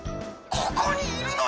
ここにいるのに！